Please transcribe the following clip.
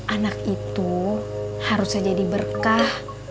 anak itu harusnya jadi berkah